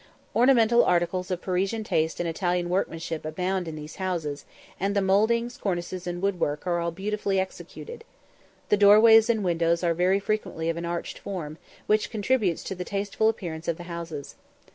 Ornamental articles of Parisian taste and Italian workmanship abound in these houses; and the mouldings, cornices, and woodwork, are all beautifully executed. The doorways and windows are very frequently of an arched form, which contributes to the tasteful appearance of the houses.